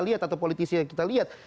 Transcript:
lihat atau politisi yang kita lihat